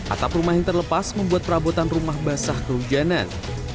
atap rumah yang terlepas membuat perabotan rumah basah kehujanan